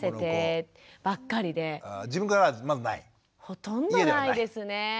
ほとんどないですね。